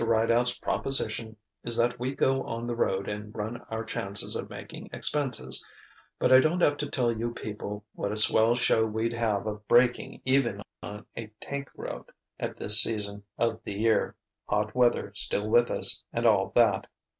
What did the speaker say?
Rideout's proposition is that we go on the road and run our chances of making expenses but I don't have to tell you people what a swell show we'd have of breaking even on a tank route at this season of the year hot weather still with us, and all that.